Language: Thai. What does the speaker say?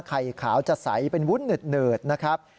ไข่ขาวจะใสเป็นวุ้นเหิดนะครับ